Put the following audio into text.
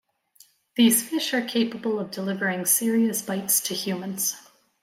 These fish are capable of delivering serious bites to humans.